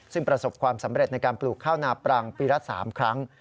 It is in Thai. ซึ่งประสบความสำเร็จในการปลูกข้าวนาปรังปีละ๓ครั้ง